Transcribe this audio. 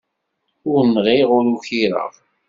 Ur nɣiɣ, ur ukireɣ.